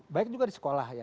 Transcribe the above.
baik juga di sekolah ya